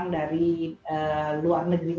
jadi ini adalah hal yang sangat penting